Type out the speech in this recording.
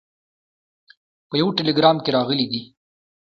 په یوه ټلګرام کې راغلي دي.